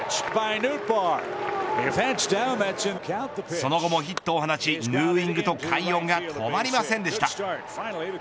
その後もヒットを放ちヌーイングと快音が止まりませんでした。